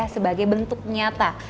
sebagai bentuk nyata